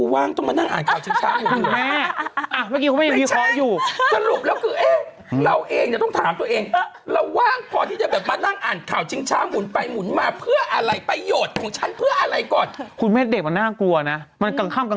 ห๊ะหอมแดงเจียวอ่ะหอมอ่ะเนอะเออ